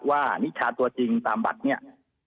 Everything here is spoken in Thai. นิชาตัวจริงตามบัตรเนี่ย